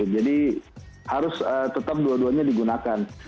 jadi harus tetap dua duanya digunakan